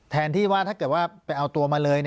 แทนที่ว่าถ้าเกิดว่าไปเอาตัวมาเลย